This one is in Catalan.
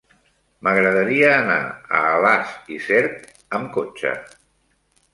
M'agradaria anar a Alàs i Cerc amb cotxe.